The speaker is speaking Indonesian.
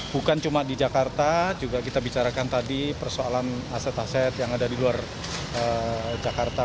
bukan cuma di jakarta juga kita bicarakan tadi persoalan aset aset yang ada di luar jakarta